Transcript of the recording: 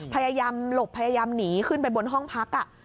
พยายามหลบพยายามหนีขึ้นไปบนห้องพัก